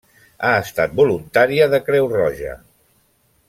Ha estat voluntària de Creu Roja.